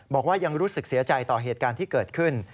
บอกว่ายังรู้สึกเสียใจต่อเหตุการณ์ที่เกิดขึ้น